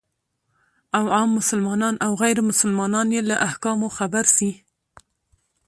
او عام مسلمانان او غير مسلمانان يې له احکامو خبر سي،